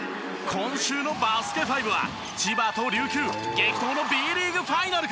今週の『バスケ☆ＦＩＶＥ』は千葉と琉球激闘のＢリーグファイナルから！